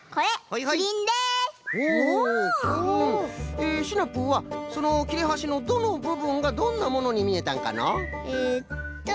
えシナプーはそのきれはしのどのぶぶんがどんなものにみえたんかのう？